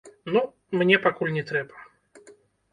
Ну, мне пакуль не трэба.